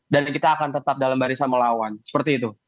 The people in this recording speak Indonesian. dan kita akan tetap dalam barisan melawan seperti itu